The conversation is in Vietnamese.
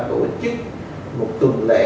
tổ chức một tuần lễ